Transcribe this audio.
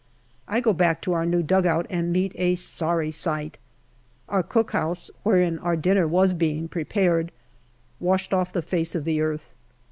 I go back to our new dugout and meet a sorry sight. Our cookhouse, wherein our dinner was being prepared, washed off the face of the earth.